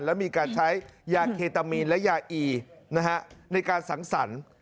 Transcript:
และมีการใช้ยาเคตามีนและยาอีในการสังสรรค์